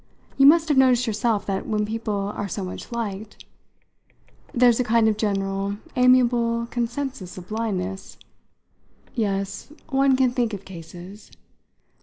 You must have noticed yourself that when people are so much liked " "There's a kind of general, amiable consensus of blindness? Yes one can think of cases.